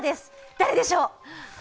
誰でしょう？